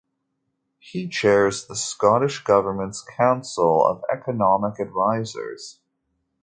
He chairs the Scottish government's Council of Economic Advisers.